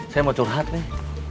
saya mau curhat nih